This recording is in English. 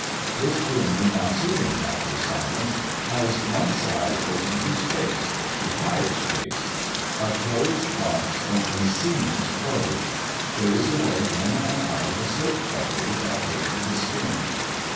"This room we now sit in, Dr. Silence, has one side open to space to Higher Space. A closed box only seems closed. There is a way in and out of a soap bubble without breaking the skin."